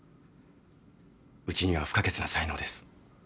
うちには不可欠な才能です。